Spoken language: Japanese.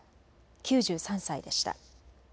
９３歳でした。